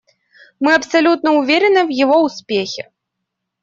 Мы абсолютно уверены в его успехе.